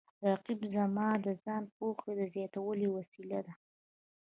رقیب زما د ځان پوهې د زیاتولو وسیله ده